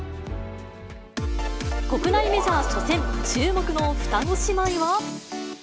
国内メジャー初戦、注目の双子姉妹は？